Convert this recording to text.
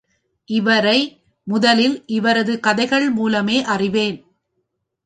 இவரை முதலில் இவரது கதைகள் மூலமே அறிவேன்.